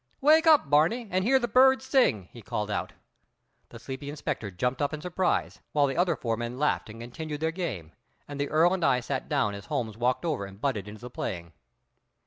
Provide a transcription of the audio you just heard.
"Wake up, Barney, and hear the birds sing!" he called out. The sleepy inspector jumped up in surprise, while the other four men laughed and continued their game, and the Earl and I sat down as Holmes walked over and butted into the playing.